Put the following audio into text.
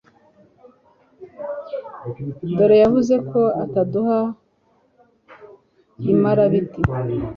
dore yavuze ko ataduha imarabiti